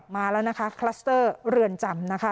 มาแล้วนะคะคลัสเตอร์เรือนจำนะคะ